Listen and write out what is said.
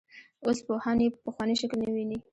اوس پوهان یې په پخواني شکل نه ویني.